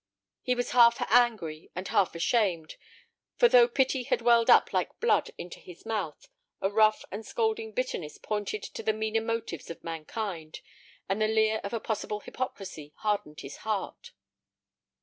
He was half angry and half ashamed, for though pity had welled up like blood into his mouth, a rough and scolding bitterness pointed to the meaner motives of mankind, and the leer of a possible hypocrisy hardened his heart.